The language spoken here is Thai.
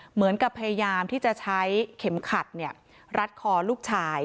เหมือนกับพยายามที่จะใช้เข็มขัดรัดคอลูกชาย